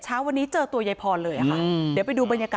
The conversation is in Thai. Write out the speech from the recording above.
ช้าวันนี้เจอตัวยายพรเลยค่ะ